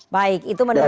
baik itu menurut mas